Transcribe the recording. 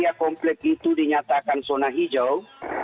ya komplek itu dinyatakan zona hijau